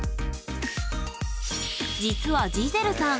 実はジゼルさん